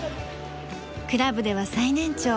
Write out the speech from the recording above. クラブでは最年長。